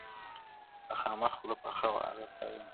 په خامه خوله پخه وعده ستایمه,